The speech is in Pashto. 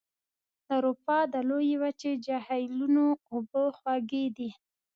د اروپا د لویې وچې جهیلونو اوبه خوږې دي.